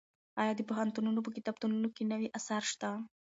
ایا د پوهنتونونو په کتابتونونو کې نوي اثار شته؟